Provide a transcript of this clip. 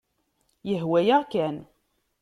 Yehwa-yaɣ kan.